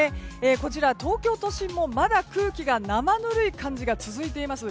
こちら、東京都心もまだ空気が生ぬるい感じが続いています。